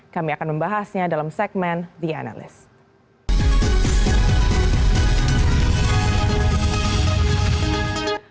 kami akan membahasnya dalam segmen the analyst